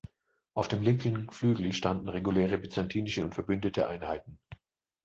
Auf dem linken Flügel standen reguläre byzantinische und verbündete Einheiten.